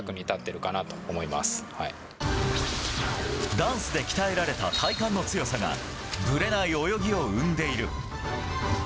ダンスで鍛えられた体幹の強さが、ぶれない泳ぎを生んでいる。